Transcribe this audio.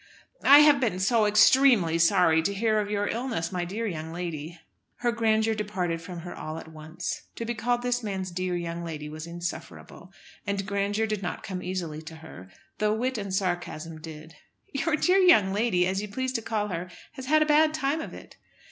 "I have been so extremely sorry to hear of your illness, my dear young lady." Her grandeur departed from her all at once. To be called this man's "dear young lady" was insufferable. And grandeur did not come easily to her, though wit and sarcasm did. "Your dear young lady, as you please to call her, has had a bad time of it."